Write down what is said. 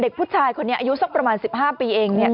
เด็กผู้ชายคนนี้อายุซักประมาณ๑๕ปีเองเนี่ย